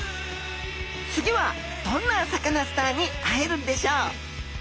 次はどんなサカナスターに会えるんでしょう？